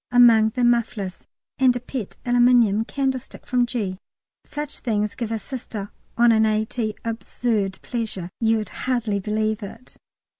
among the mufflers, and a pet aluminium candlestick from G. Such things give a Sister on an A.T. absurd pleasure; you'd hardly believe it.